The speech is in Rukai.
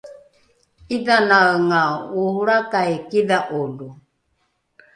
’idhanaenga oholrakai kidha’olo